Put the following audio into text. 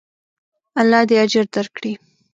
الله دې اجر درکړي.